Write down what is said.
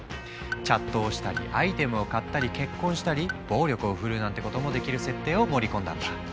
チャットをしたりアイテムを買ったり結婚したり暴力を振るうなんてこともできる設定を盛り込んだんだ。